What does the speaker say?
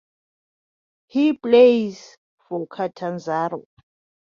He plays for Catanzaro.